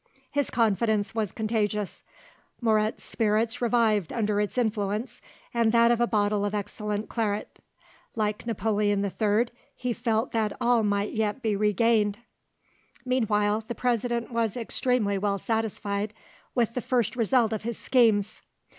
His confidence was contagious. Moret's spirits revived under its influence and that of a bottle of excellent claret. Like Napoleon the Third, he felt that all might yet be regained. Meanwhile the President was extremely well satisfied with the first result of his schemes.